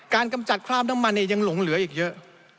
กำจัดคราบน้ำมันเนี่ยยังหลงเหลืออีกเยอะ